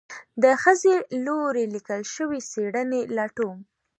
د ښځې لوري ليکل شوي څېړنې لټوم